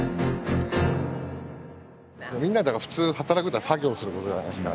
みんなはだから普通「働く」っていうのは「作業をすること」じゃないですか。